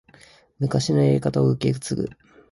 昔のやり方を受け継ぐ